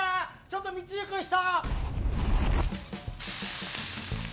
ちょっと道行く人！